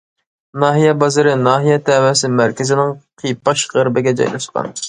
ناھىيە بازىرى ناھىيە تەۋەسى مەركىزىنىڭ قىيپاش غەربىگە جايلاشقان.